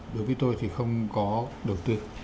đối với tôi thì không có đầu tư